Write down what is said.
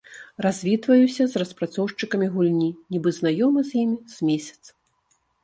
Развітваюся з распрацоўшчыкамі гульні, нібы знаёмы з імі з месяц.